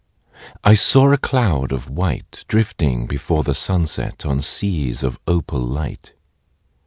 . I saw a cloud of white Drifting before the sunset On seas of opal light.